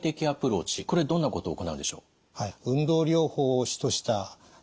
これどんなことを行うんでしょう。